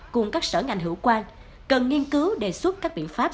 cùng các sở ngành hữu quan cần nghiên cứu đề xuất các biện pháp